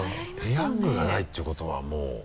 「ペヤング」がないっていうことはもう。